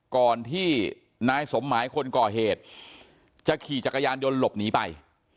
ก่อนที่นายสมหมายคนก่อเหตุจะขี่จักรยานยนต์หลบหนีไป